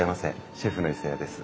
シェフの磯谷です。